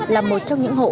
là một trong những hộ